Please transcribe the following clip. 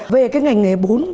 về cái ngành nghề bún